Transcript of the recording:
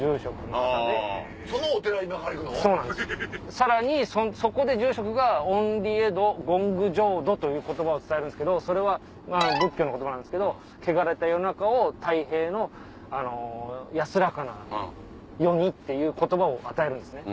さらにそこで住職が厭離穢土欣求浄土という言葉を伝えるんですけどそれは仏教の言葉なんですけど汚れた世の中を太平の安らかな世にっていう言葉を与えるんですね。